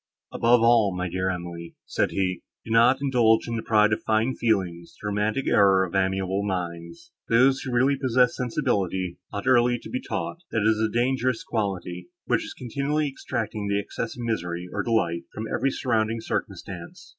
"Above all, my dear Emily," said he, "do not indulge in the pride of fine feeling, the romantic error of amiable minds. Those, who really possess sensibility, ought early to be taught, that it is a dangerous quality, which is continually extracting the excess of misery, or delight, from every surrounding circumstance.